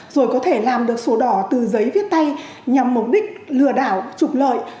rồi có thể làm được sổ đỏ từ giấy viết tay nhằm mục đích lừa đảo trục lợi